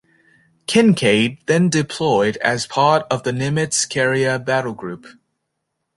"Kinkaid" then deployed as part of the "Nimitz" carrier battle group.